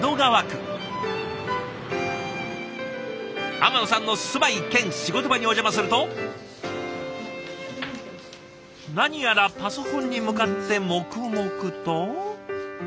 天野さんの住まい兼仕事場にお邪魔すると何やらパソコンに向かって黙々と。